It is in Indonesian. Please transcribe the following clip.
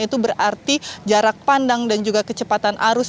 itu berarti jarak pandang dan juga kecepatan arus